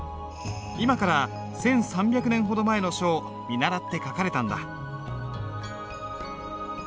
今から１，３００年ほど前の書を見習って書かれたんだ。